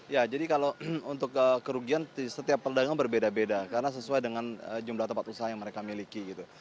ya jadi kalau untuk kerugian setiap pedagang berbeda beda karena sesuai dengan jumlah tempat usaha yang mereka miliki gitu